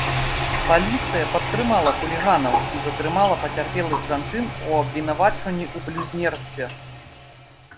Паліцыя падтрымала хуліганаў і затрымала пацярпелых жанчын у абвінавачванні ў блюзнерстве.